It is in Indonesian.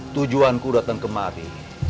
tujuanku datang kemari